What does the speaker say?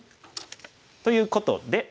ということで。